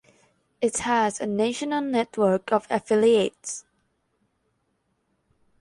It has a national network of affiliates.